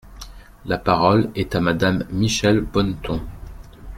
La parole est à Madame Michèle Bonneton.